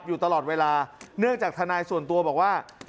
อยู่ตลอดเวลาเนื่องจากทนายส่วนตัวบอกว่า